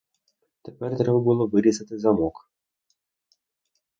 Тепер треба було вирізати замок.